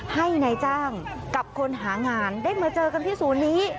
ให้นายจ้างกับคนหางานได้มาเจอกันที่ศูนย์นี้